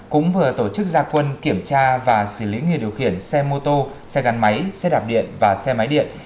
cũng vừa tổ chức gia quân kiểm tra và xử lý người điều khiển xe mô tô xe gắn máy xe đạp điện và xe máy điện